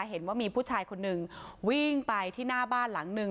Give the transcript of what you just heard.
เห็นว่ามีผู้ชายคนหนึ่งวิ่งไปที่หน้าบ้านหลังนึง